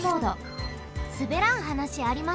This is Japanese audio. すべらん話ありますか？